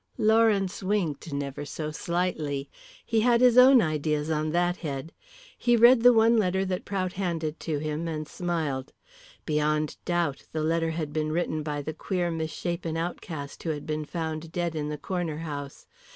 Lawrence winked never so slightly. He had his own ideas on that head. He read the one letter that Prout handed to him and smiled. Beyond doubt the letter had been written by the queer misshapen outcast who had been found dead in the Corner House.